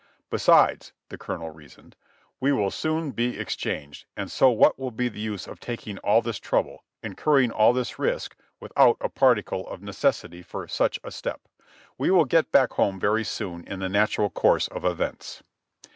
Besides," the Colonel reasoned, "we will soon be exchanged, and so what will be the use of taking all this trouble, incurring all this risk, without a particle of neces sity for such a step. We will get back home very soon in the nat ural course of events."